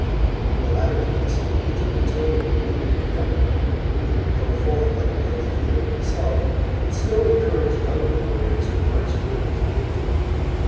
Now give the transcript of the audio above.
In the latter case he took the tone of a wounded veteran, who, though fallen on the bloody field himself, could still encourage younger warriors to march forward to victory.